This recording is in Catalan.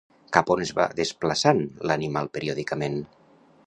Cap on es va desplaçant l'animal periòdicament?